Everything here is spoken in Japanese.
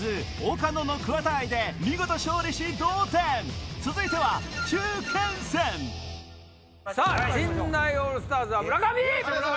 岡野の桑田愛で見事勝利し同点続いては中堅戦陣内オールスターズは村上！